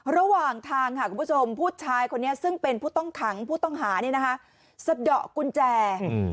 ระหว่างทางค่ะคุณผู้ชมผู้ชายคนนี้ซึ่งเป็นผู้ต้องขังผู้ต้องหาเนี่ยนะคะสะดอกกุญแจอืม